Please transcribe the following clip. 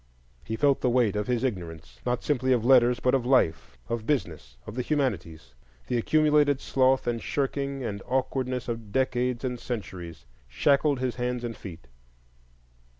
He felt the weight of his ignorance,—not simply of letters, but of life, of business, of the humanities; the accumulated sloth and shirking and awkwardness of decades and centuries shackled his hands and feet.